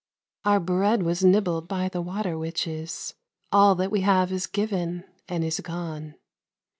Our bread was nibbled by the water witches, All that we have is given, and is gone.